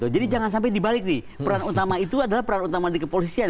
jangan sampai dibalik nih peran utama itu adalah peran utama di kepolisian